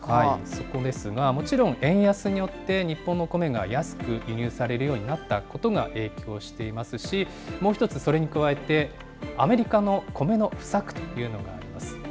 そこですが、もちろん、円安によって日本のコメが安く輸入されるようになったことが影響していますし、もう一つそれに加えて、アメリカのコメの不作というのがあります。